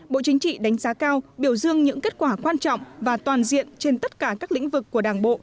bộ chính trị đánh giá cao biểu dương những kết quả quan trọng và toàn diện trên tất cả các lĩnh vực của đảng bộ